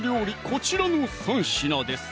こちらの３品です